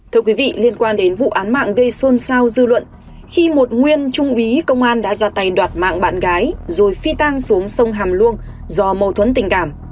thưa quý vị liên quan đến vụ án mạng gây xôn xao dư luận khi một nguyên trung úy công an đã ra tay đoạt mạng bạn gái rồi phi tang xuống sông hàm luông do mâu thuẫn tình cảm